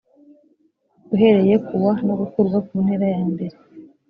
uhereye ku wa no gukurwa ku ntera yambere